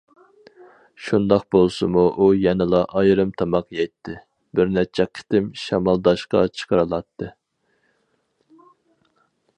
شۇنداق بولسىمۇ ئۇ يەنىلا ئايرىم تاماق يەيتتى، بىر نەچچە قېتىم شامالداشقا چىقىرىلاتتى.